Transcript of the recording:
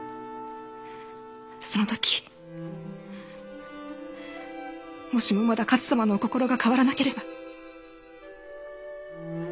その時もしもまだ勝様のお心が変わらなければ。